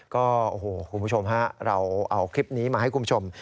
ก็โอ้โหคุณผู้ชมฮะเราเอาคลิปนี้มาให้คุณผู้ชม